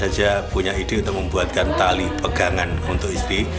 saya secara spontan saja punya ide untuk membuatkan tali pegangan untuk istri